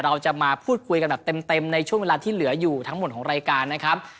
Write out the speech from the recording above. เราจะมาพูดคุยกันแบบเต็มในช่วงเวลาที่เหลืออยู่ทั้งหมดของรายการนะครับ